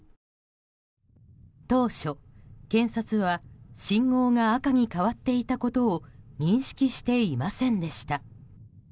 当初、検察は信号が赤に変わっていたことを認識していませんでした。